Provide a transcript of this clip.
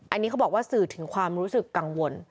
อันนี้เขาบอกว่าสื่อถึงความรู้สึกกังวล